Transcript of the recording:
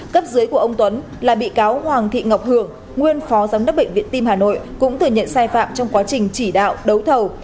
cấp dưới của ông tuấn là bị cáo hoàng thị ngọc hưởng nguyên phó giám đốc bệnh viện tim hà nội cũng thừa nhận sai phạm trong quá trình chỉ đạo đấu thầu